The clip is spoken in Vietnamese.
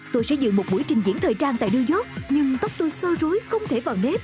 tôi sẽ dự một buổi trình diễn thời trang tại new york nhưng tóc tôi sơ rối không thể vào nếp